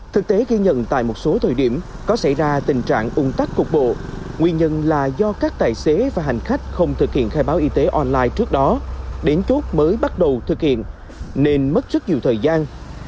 thực tế ghi nhận tại một số thời điểm có xảy ra tình trạng ung tắc cục bộ nguyên nhân là do các tài xế và hành khách không thực hiện khai báo y tế online trước đó đến chốt mới bắt đầu thực hiện nên mất rất nhiều thời gian